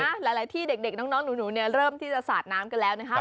หลายที่เด็กน้องหนูเนี่ยเริ่มที่จะสาดน้ำกันแล้วนะคะ